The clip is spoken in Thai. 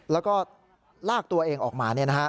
แล้วก็ลากตัวเองออกมา